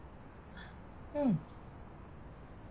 うん。